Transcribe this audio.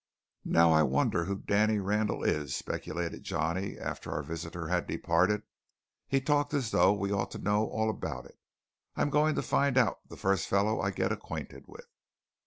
"Now I wonder who Danny Randall is!" speculated Johnny after our visitor had departed. "He talked as though we ought to know all about it. I'm going to find out the first fellow I get acquainted with."